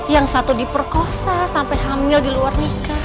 yang satu diperkosa sampai hamil di luar nikah